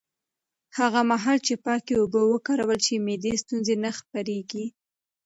هغه مهال چې پاکې اوبه وکارول شي، معدي ستونزې نه خپرېږي.